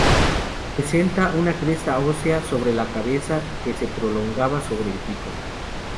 Presentaba una cresta ósea sobre la cabeza que se prolongaba sobre el pico.